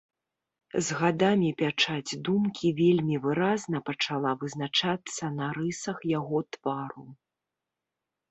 З гадамі пячаць думкі вельмі выразна пачала вызначацца на рысах яго твару.